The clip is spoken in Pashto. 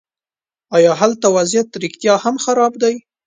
ایا هلته وضعیت رښتیا هم خراب دی.